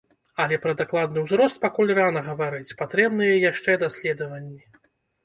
Але пра дакладны ўзрост пакуль рана гаварыць, патрэбныя яшчэ даследаванні.